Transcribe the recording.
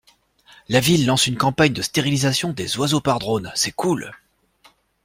La ville lance une campagne de stérilisation des oiseaux par drone, c'est cool.